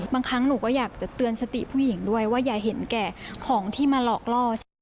บางครั้งหนูก็อยากจะเตือนสติผู้หญิงด้วยว่าอย่าเห็นแก่ของที่มาหลอกล่อใช่ไหม